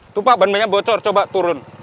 tupak ban bannya bocor coba turun